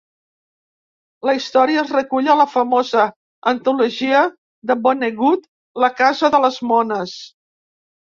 La història es recull a la famosa antologia de Vonnegut "La casa de les mones".